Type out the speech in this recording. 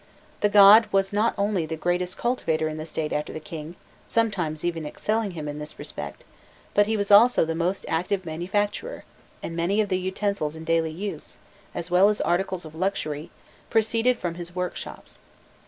The god was not only the greatest cultivator in the State after the king, sometimes even excelling him in this respect, but he was also the most active manufacturer, and many of the utensils in daily use, as well as articles of luxury, proceeded from his workshops.